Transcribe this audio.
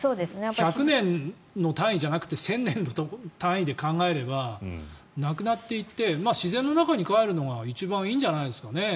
１００年の単位じゃなくて１０００年の単位で考えればなくなっていって自然の中にかえるのが一番いいんじゃないですかね。